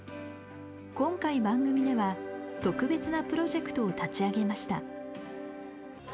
今回番組では特別なプロジェクトを立ち上げました。